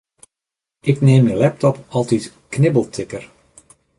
Ik neam myn laptop altyd knibbeltikker.